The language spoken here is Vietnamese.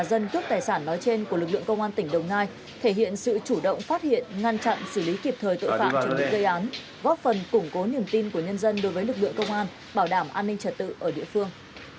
các dân cướp tài sản nói trên của lực lượng công an tỉnh đồng nai thể hiện sự chủ động phát hiện ngăn chặn xử lý kịp thời tội phạm trực tiếp gây án góp phần củng cố niềm tin của nhân dân đối với lực lượng công an bảo đảm an ninh trật tự ở địa phương